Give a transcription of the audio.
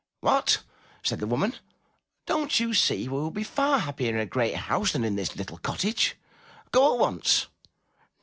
'' *'What/' said the woman, ''don't you see we would be far happier in a great house than in this little cottage? Go at once."